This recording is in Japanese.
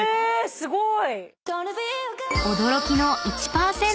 すごい！